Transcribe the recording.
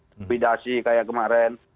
kubidasi kayak kemarin